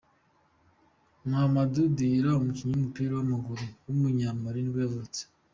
Mahamadou Diarra, umukinnyi w’umupira w’amaguru w’umunya-Mali nibwo yavutse.